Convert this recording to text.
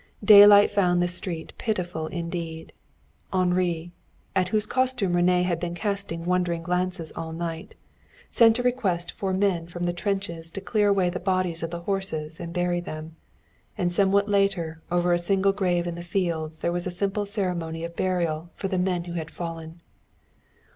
Daylight found the street pitiful indeed. Henri, whose costume René had been casting wondering glances at all night, sent a request for men from the trenches to clear away the bodies of the horses and bury them, and somewhat later over a single grave in the fields there was a simple ceremony of burial for the men who had fallen.